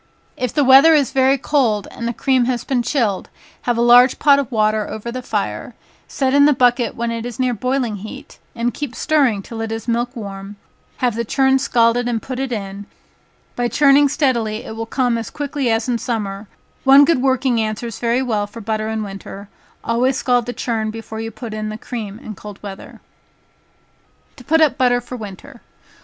If the weather is very cold, and the cream has been chilled, have a large pot of water over the fire, set in the bucket when it is near boiling heat, and keep stirring till it is milk warm, have the churn scalded and put it in, by churning steadily, it will come as quick as in summer, one good working answers very well for butter in winter, always scald the churn before you put in the cream in cold weather. To put up Butter for Winter.